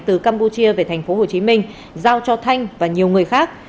từ campuchia về thành phố hồ chí minh giao cho thanh và nhiều người khác